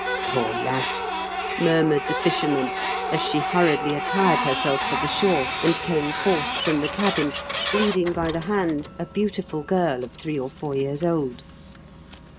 " Poor lass," murmured the fisherman, as she hurriedly attired herself for the shore, and came forth from the cabin, leading by the hand a beautiftd girl of three or four years old.